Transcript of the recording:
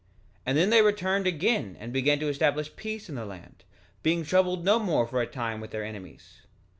3:24 And then they returned again and began to establish peace in the land, being troubled no more for a time with their enemies.